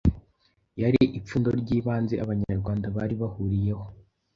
yari ipfundo ry'ibanze Abanyarwanda bari bahuriyeho